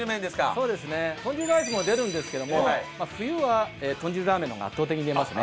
そうですね。豚汁ライスも出るんですけども冬は豚汁ラーメンの方が圧倒的に出ますね。